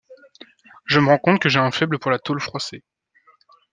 Je me rends compte que j'ai un faible pour la tôle froissée.